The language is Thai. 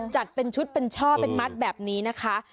จัดเป็นชุดเป็นช่อเป็นมัดแบบนี้นะคะ